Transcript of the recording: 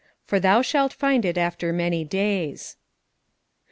"For them shalt find it after many days."